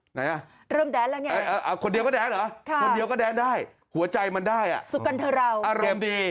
ไหนน่ะคนเดียวก็แดดเหรอคนเดียวก็แดดได้หัวใจมันได้อ่ะอรมณ์ดี